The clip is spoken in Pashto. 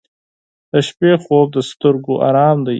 • د شپې خوب د سترګو آرام دی.